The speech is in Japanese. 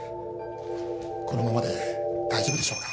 このままで大丈夫でしょうか？